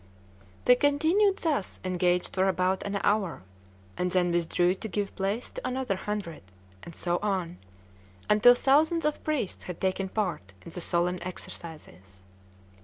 They continued thus engaged for about an hour, and then withdrew to give place to another hundred, and so on, until thousands of priests had taken part in the solemn exercises.